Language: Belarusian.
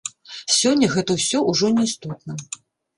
Сёння гэта ўсё ўжо не істотна.